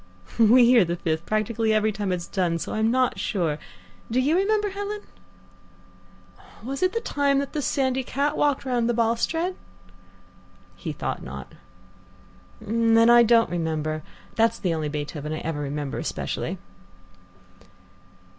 "We hear the Fifth practically every time it's done, so I'm not sure do you remember, Helen?" "Was it the time the sandy cat walked round the balustrade?" He thought not. "Then I don't remember. That's the only Beethoven I ever remember specially."